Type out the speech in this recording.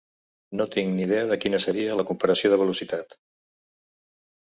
No tinc ni idea de quina seria la comparació de velocitat.